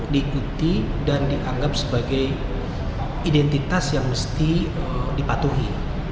diikuti dan dianggap sebagai identitas yang mesti dipatuhi